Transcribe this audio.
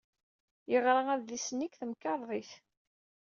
Yeɣra adlis-nni deg temkarḍit.